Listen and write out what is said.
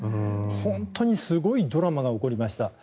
本当にすごいドラマが起こりました。